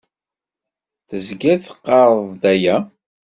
Tezgiḍ teqqareḍ-d aya.